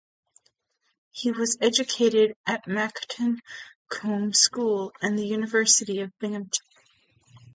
He was educated at Monkton Combe School and The University of Birmingham.